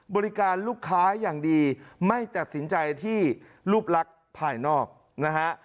บริการลูกค้าอย่างดีไม่ตัดสินใจที่รูปลักษณ์ภายนอกนะฮะ